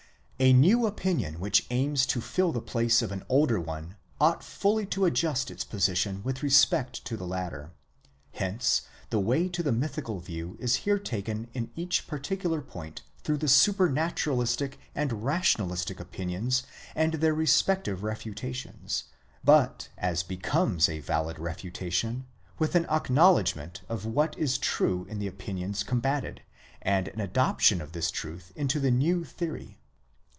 A new opinion, which aims to fill the place of an older one, ought fully to adjust its position with respect to the latter. Hence the way to the mythical view is here taken in each particular point through the supranaturalistic and . s* + PREFACE TO THE FIRST GERMAN EDITION, XXXi refutation, with an acknowledgment of what is true in the opinions combated, and an adoption of this truth into the new theory.